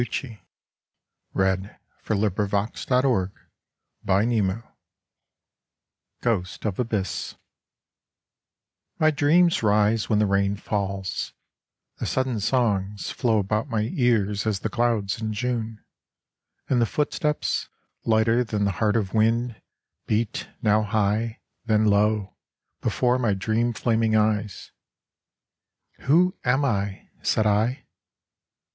Such a coward, you my beloved ! 93 GHOST OF ABYSS My dreams rise when the rain falls : the sudden songs Flow about my ears as the clouds in June ; And the footsteps, lighter than the heart of wind, Beat, now high, then low, before my dream flaming eyes. " Who am I ?" said I.